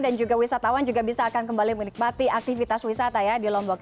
dan juga wisatawan juga bisa akan kembali menikmati aktivitas wisata ya di lombok